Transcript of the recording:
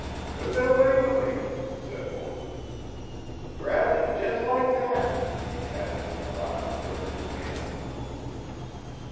'Tuk it away f'm me,' said Moses. 'Grabbed it jes' like thet,' he added with a violent jerk of his hand.